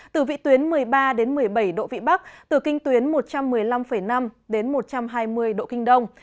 từ vị tuyến một mươi ba một mươi bảy độ vĩ bắc từ kinh tuyến một trăm một mươi năm năm một trăm hai mươi độ kinh đông